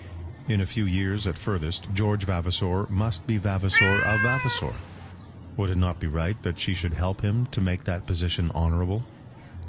In a few years at furthest, George Vavasor must be Vavasor of Vavasor. Would it not be right that she should help him to make that position honourable?